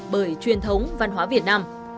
bởi truyền thống văn hóa việt nam